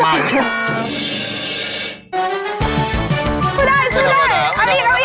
ไม่ได้ซื้อเลย